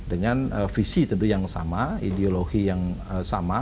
dengan visi tentu yang sama ideologi yang sama